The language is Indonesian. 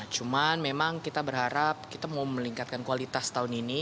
cuman memang kita berharap kita mau meningkatkan kualitas tahun ini